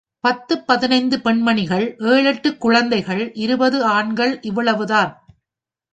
பத்துப் பதினைந்து பெண்மணிகள், ஏழெட்டுக் குழந்தைகள், இருபது ஆண்கள் இவ்வளவுதான்.